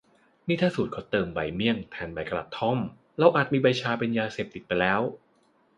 นี่ถ้าสูตรเค้าเติมใบเมี่ยงแทนใบกระท่อม เราอาจมีใบชาเป็นยาเสพติดไปแล้ว